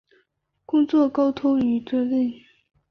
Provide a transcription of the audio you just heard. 遥距交流持续性的工作沟通与协作